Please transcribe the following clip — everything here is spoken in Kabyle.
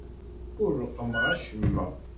Ur reqqmeɣ acemma.